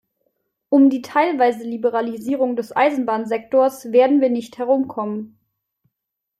Um die teilweise Liberalisierung des Eisenbahnsektors werden wir nicht herumkommen.